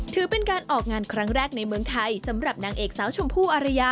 ถือเป็นการออกงานครั้งแรกในเมืองไทยสำหรับนางเอกสาวชมพู่อารยา